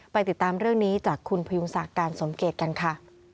ติดตามเรื่องนี้จากคุณพยุงศักดิ์การสมเกตกันค่ะ